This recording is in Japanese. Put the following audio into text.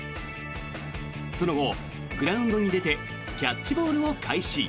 その後、グラウンドに出てキャッチボールを開始。